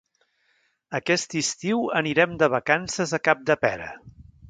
Aquest estiu anirem de vacances a Capdepera.